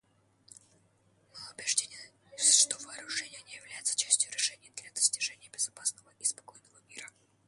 Мы убеждены, что вооружения не являются частью решения для достижения безопасного и спокойного мира.